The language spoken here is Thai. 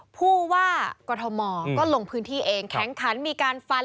ผู้ว่ากรทมก็ลงพื้นที่เองแข็งขันมีการฟัน